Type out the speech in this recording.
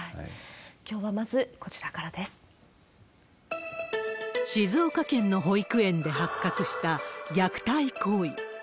きょうはまず、こちらからで静岡県の保育園で発覚した虐待行為。